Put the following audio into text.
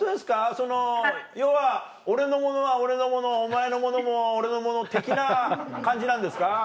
その要は「俺の物は俺の物お前の物も俺の物」的な感じなんですか？